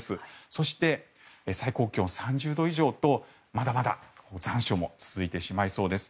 そして、最高気温３０度以上とまだまだ残暑も続いてしまいそうです。